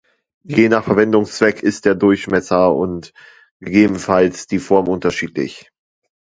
Je nach Verwendungszweck ist der Durchmesser und gegebenenfalls die Form unterschiedlich.